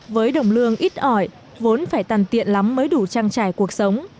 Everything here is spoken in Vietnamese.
với đồng lương ít ỏi vốn phải tàn tiện lắm mới đủ trang trải cuộc sống